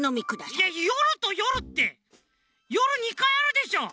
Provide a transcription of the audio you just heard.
いや「よるとよる」ってよる２かいあるでしょ！